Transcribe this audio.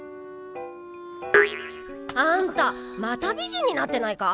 あんたまた美人になってないか？